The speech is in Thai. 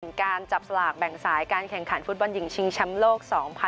การจับสลากแบ่งสายการแข่งขันฟุตบอลหญิงชิงแชมป์โลก๒๐๑๖